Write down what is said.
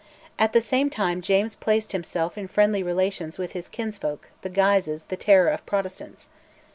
At the same time James placed himself in friendly relations with his kinsfolk, the Guises, the terror of Protestants.